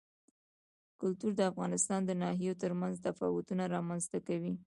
کلتور د افغانستان د ناحیو ترمنځ تفاوتونه رامنځ ته کوي.